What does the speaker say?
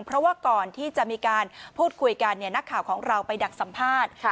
เพราะว่าก่อนที่จะมีการพูดคุยกันนักข่าวของเราไปดักสัมภาษณ์